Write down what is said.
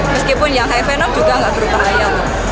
meskipun yang high venom juga nggak terbahaya